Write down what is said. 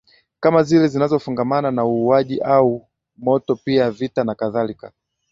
Kama zile zinazofungamana na uuaji au moto pia vita na kadhalika